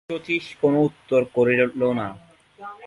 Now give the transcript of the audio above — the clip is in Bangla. শচীশ কোনো উত্তর করিল না।